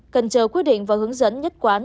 cần chờ quyết định và hướng dẫn nhất quán